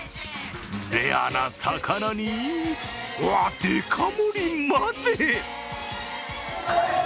レアな魚に、デカ盛りまで。